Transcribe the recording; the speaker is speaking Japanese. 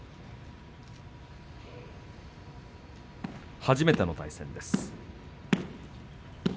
初めての対戦です。